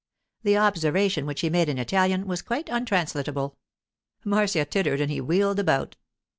The observation which he made in Italian was quite untranslatable. Marcia tittered and he wheeled about.